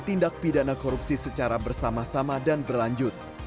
tindak pidana korupsi secara bersama sama dan berlanjut